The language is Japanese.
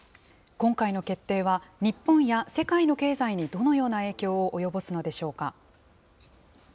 今回の決定は、日本や世界の経済にどのような影響を及ぼすのでしょうか。